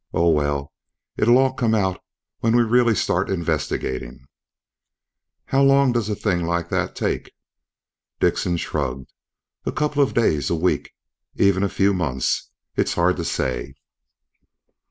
Oh, well, it'll all come out when we really start investigating." "How long does a thing like that take?" Dickson shrugged. "A couple of days, a week. Even a few months. It's hard to say."